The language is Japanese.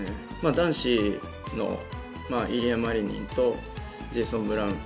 男子のイリア・マリニンとジェイソン・ブラウン。